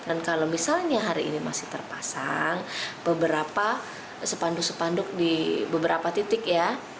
dan kalau misalnya hari ini masih terpasang beberapa spanduk spanduk di beberapa titik ya